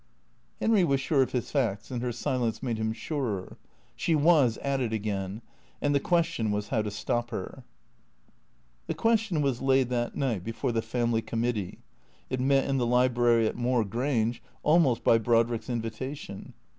Henry was sure of his facts, and her silence made him surer. She was at it again, and the question was how to stop her ? The question was laid that night before the family committee. It met in the library at Moor Grange almost by Brodrick's invi tation.